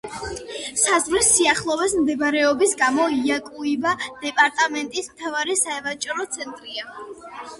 საზღვრის სიახლოვეს მდებარეობის გამო, იაკუიბა დეპარტამენტის მთავარი სავაჭრო ცენტრია.